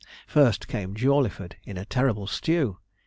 First came Jawleyford, in a terrible stew.